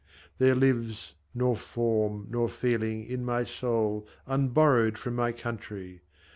There lives nor form nor feeling in my soul Unborrowed from my country